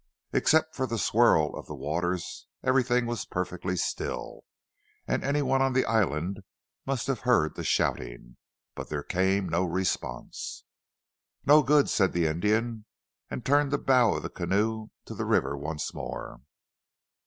Except for the swirl of the waters everything was perfectly still, and any one on the island must have heard the shouting; but there came no response. "No good!" said the Indian, and turned the bow of the canoe to the river once more.